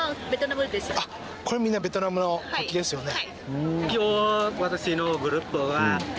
あっこれみんなベトナムの国旗ですよね。